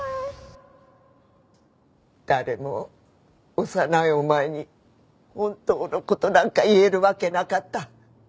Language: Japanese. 誰も幼いお前に本当の事なんか言えるわけなかった。